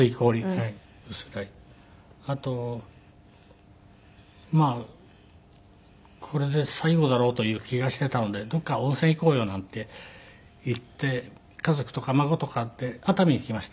あとまあこれで最後だろうという気がしていたので「どこか温泉行こうよ」なんて言って家族とか孫とかで熱海に行きまして。